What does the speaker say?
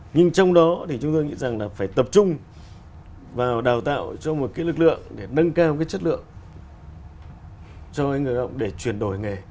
nhưng trong đó thì chúng tôi nghĩ rằng là phải tập trung vào đào tạo cho một cái lực lượng để nâng cao cái chất lượng cho người lao động để chuyển đổi nghề